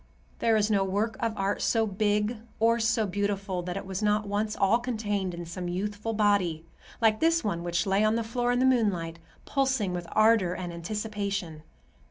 There is no work of art so big or so beautiful that it was not once all contained in some youthful body, like this one which lay on the floor in the moonlight, pulsing with ardor and anticipation.